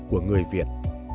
của người việt